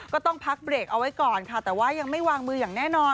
ก็ต้องพักเบรกเอาไว้ก่อนค่ะแต่ว่ายังไม่วางมืออย่างแน่นอน